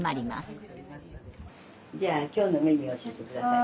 じゃあ今日のメニューを教えて下さい。